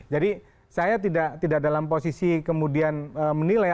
jadi saya tidak dalam posisi kemudian menilai